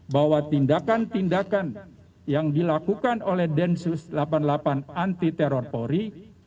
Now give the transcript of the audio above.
bahwa tindakan tindakan yang dilakukan oleh densus delapan puluh delapan anti teror polri